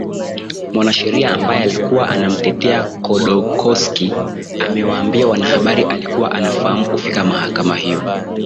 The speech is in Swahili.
wanasheria ambaye alikuwa anamtetea kodokoski amewaambia wanahabri alikuwa anafahamu kufika mahakama hiyo